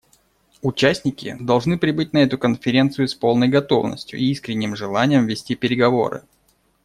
Участники должны прибыть на эту конференцию с полной готовностью и искренним желанием вести переговоры.